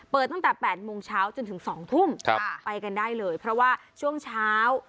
ตั้งแต่๘โมงเช้าจนถึง๒ทุ่มไปกันได้เลยเพราะว่าช่วงเช้า